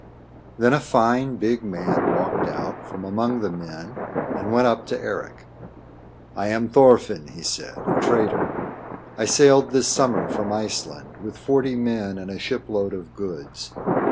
Then a fine, big man walked out from among the men and went up to Eric. "I am Thorfinn," he said, "a trader. I sailed this summer from Iceland with forty men and a shipload of goods.